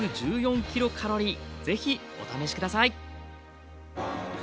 是非お試し下さい。